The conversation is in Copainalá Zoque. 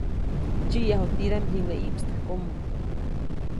Ndsyiʼyaju tidaʼm jiŋäʼ ʼiʼpstäjkomo.